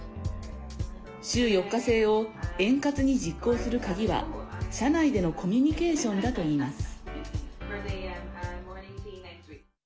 週４日制を円滑に実行する鍵は社内でのコミュニケーションだといいます。